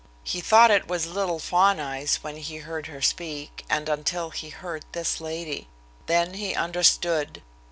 He thought it was little Fawn Eyes when he heard her speak, and until he heard this lady; then he understood.